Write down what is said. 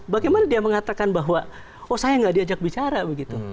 bagaimana dia mengatakan bahwa oh saya nggak diajak bicara begitu